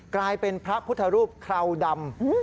กลายเป็นพระพุทธรูปคราวดำ